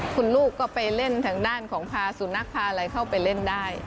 คุณลูกก็ไปเล่นทางด้านของพาสุนัขพาอะไรเข้าไปเล่นได้